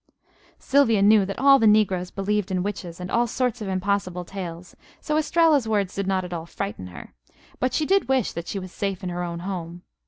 Sylvia knew that all the negroes believed in witches and all sorts of impossible tales, so Estralla's words did not at all frighten her, but she did wish that she was safe in her own home.